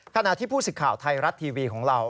ขณะที่ผู้สิทธิ์ข่าวไทยรัฐทีวีของเรา